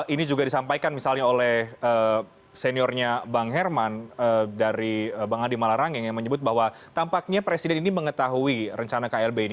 ini juga disampaikan misalnya oleh seniornya bang herman dari bang adi malarangeng yang menyebut bahwa tampaknya presiden ini mengetahui rencana klb ini